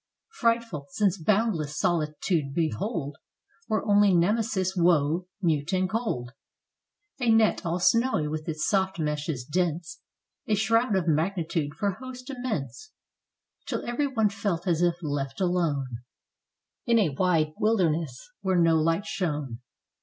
Frightful, since boundless, solitude behold Where only Nemesis wove, mute and cold, A net all snowy with its soft meshes dense, A shroud of magnitude for host immense; Till every one felt as if left alone In a wide wilderness where no light shone.